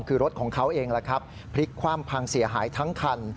คือรถของเขาเองพลิกความพังเสียหายทั้งคัน